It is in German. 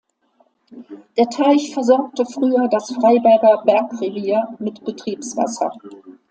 Der Teich versorgte früher das Freiberger Bergrevier mit Betriebswasser.